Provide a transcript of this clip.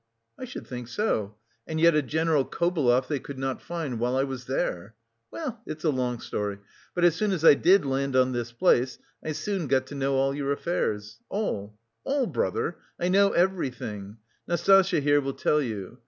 "I should think so; and yet a General Kobelev they could not find while I was there. Well, it's a long story. But as soon as I did land on this place, I soon got to know all your affairs all, all, brother, I know everything; Nastasya here will tell you.